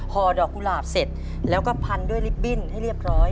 ดอกกุหลาบเสร็จแล้วก็พันด้วยลิฟตบิ้นให้เรียบร้อย